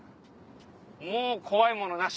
もう怖いものなし。